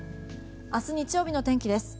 明日日曜日の天気です。